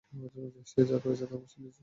সে যা করেছে তার মাশুল দিচ্ছে।